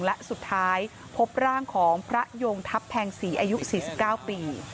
และสุดท้ายพบร่างของพระยงทัพแพงศรีอายุ๔๙ปี